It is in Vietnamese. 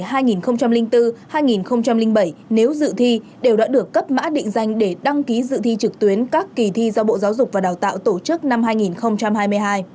một trăm linh công dân trong lứa tuổi hai nghìn bốn hai nghìn bảy nếu dự thi đều đã được cấp mã định danh để đăng ký dự thi trực tuyến các kỳ thi do bộ giáo dục và đào tạo tổ chức năm hai nghìn hai mươi hai